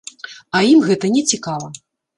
А ім гэта не цікава.